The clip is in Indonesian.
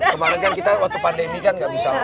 kemarin kan kita waktu pandemi kan nggak bisa